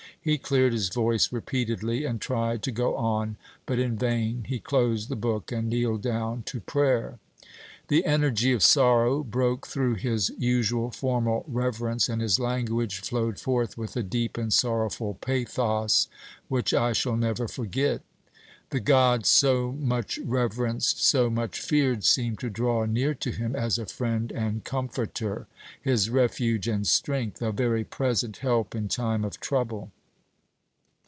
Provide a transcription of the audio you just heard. He cleared his voice repeatedly, and tried to go on, but in vain. He closed the book, and kneeled down to prayer. The energy of sorrow broke through his usual formal reverence, and his language flowed forth with a deep and sorrowful pathos which I shall never forget. The God so much reverenced, so much feared, seemed to draw near to him as a friend and comforter, his refuge and strength, "a very present help in time of trouble."